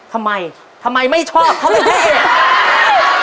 ทำไมทำไมไม่ชอบเขาไม่เท่